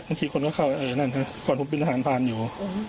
บางทีคนก็เข้าเออนั่นค่ะคนผมเป็นราษานทานอยู่